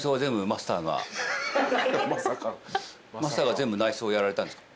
マスターが全部内装をやられたんですか？